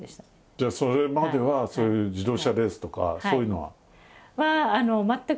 じゃあそれまではそういう自動車レースとかそういうのは。